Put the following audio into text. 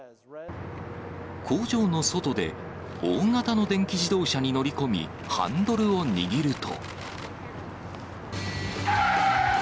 工場の外で大型の電気自動車に乗り込み、ハンドルを握ると。